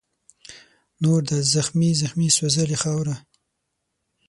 نور دا زخمې زخمي سوځلې خاوره